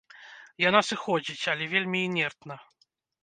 Яна сыходзіць, але вельмі інертна.